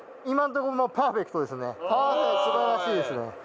今のとこパーフェクトですね。